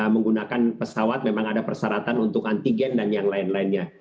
menggunakan pesawat memang ada persyaratan untuk antigen dan yang lain lainnya